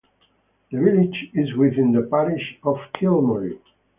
The village is within the parish of Kilmory.